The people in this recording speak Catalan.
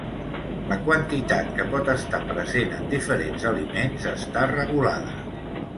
La quantitat que pot estar present en diferents aliments està regulada.